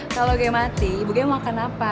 kalau kay mati ibunya mau makan apa